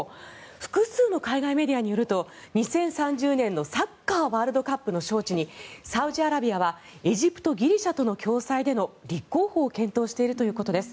複数の海外メディアによると２０３０年のサッカーワールドカップの招致にサウジアラビアはエジプト、ギリシャとの共催での立候補を検討しているということです。